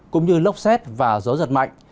cũng như lốc xét và gió giật mạnh